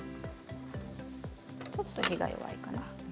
ちょっと火が弱いかな。